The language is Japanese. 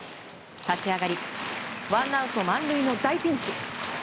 立ち上がり、ワンアウト満塁の大ピンチ。